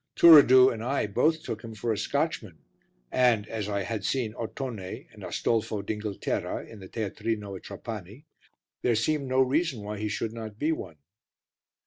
Turiddu and I both took him for a Scotchman and, as I had seen Ottone and Astolfo d'Inghilterra in the teatrino at Trapani, there seemed to be no reason why he should not be one.